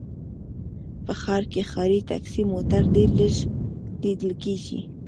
په ښار کې ښاري ټکسي موټر ډېر لږ ليدل کېږي